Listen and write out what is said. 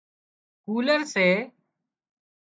ڪُولر سي